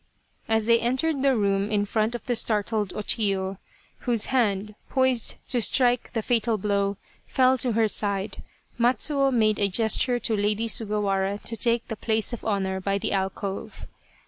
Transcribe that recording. As they entered the room in front of the startled O Chiyo, whose hand, poised to strike the fatal blow, fell to her side, Matsuo made a gesture to Lady Sugawara to take the place of honour by the alcove.